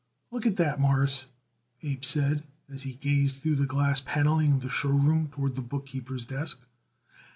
"Look at that, Mawruss," Abe said as he gazed through the glass paneling of the show room toward the bookkeeper's desk.